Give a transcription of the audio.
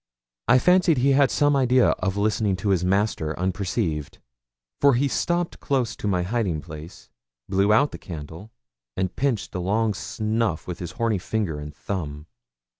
I fancy he had some idea of listening to his master unperceived, for he stopped close to my hiding place, blew out the candle, and pinched the long snuff with his horny finger and thumb.